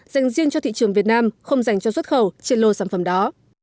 dành riêng cho thị trường việt nam không dành cho xuất khẩu trên lô sản phẩm đó